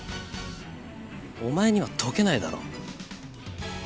お前には解けないだろ。